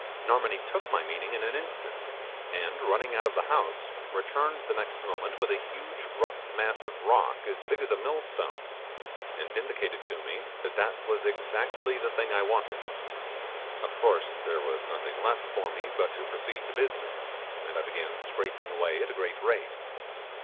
Narmonee took my meaning in an instant, and running out of the house, returned the next moment with a huge rough mass of rock as big as a millstone, and indicated to me that that was exactly the thing I wanted. Of course there was nothing left for me but to proceed to business, and I began scraping away at a great rate.